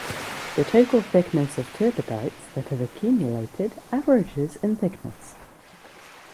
The total thickness of turbidites that have accumulated averages in thickness.